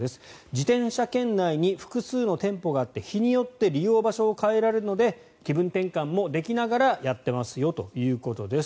自転車圏内に複数の店舗があって日によって利用場所を変えられるので気分転換もできながらやっていますよということです。